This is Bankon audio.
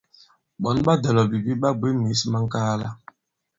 Ɓɔ̌n ɓa dɔ̀lɔ̀bìbi ɓa bwě mǐs ma ŋ̀kaala.